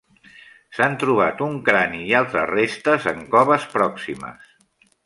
S'han trobat un crani i altres restes en coves pròximes.